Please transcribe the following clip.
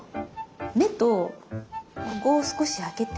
目とここを少しあけて。